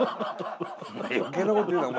余計なこと言うなお前。